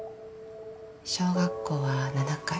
小学校は７回。